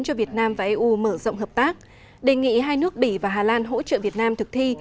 cho việt nam và eu mở rộng hợp tác đề nghị hai nước bỉ và hà lan hỗ trợ việt nam thực thi